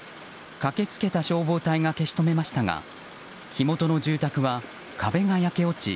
駆け付けた消防隊が消し止めましたが火元の住宅は壁が焼け落ち